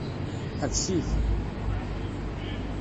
Ḥbes-it.